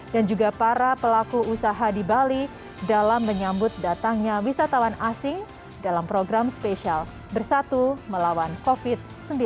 dan juga para pelaku usaha di bali dalam menyambut datangnya wisatawan asing dalam program spesial bersatu melawan covid sembilan belas